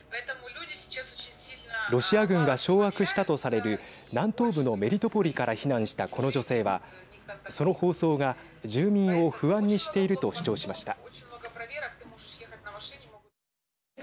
ロシア軍が掌握したとされる南東部のメリトポリから避難したこの女性はその放送が住民を不安にしていると主張しました。